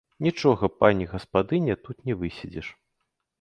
Нічога, пані гаспадыня, тут не выседзіш.